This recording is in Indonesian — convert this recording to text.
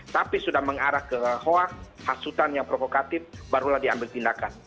tapi sudah mengarah ke hoak hasutan yang provokatif barulah diambil tindakan